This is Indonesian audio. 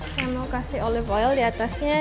saya mau kasih olive oil di atasnya